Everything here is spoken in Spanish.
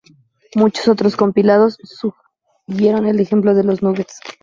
Muchos otros compilados siguieron el ejemplo de los "Nuggets".